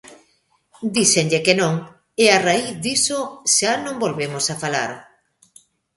Díxenlle que non, e a raíz diso xa non volvemos a falar.